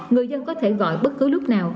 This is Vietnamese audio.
người dân có thể gọi bất cứ lúc nào